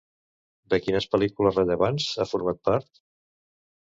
De quines pel·lícules rellevants ha format part?